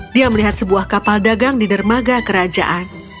dia melihat sebuah kapal dagang di dermaga kerajaan